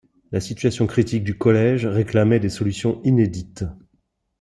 La situation critique du Collège réclamait des solutions inédites.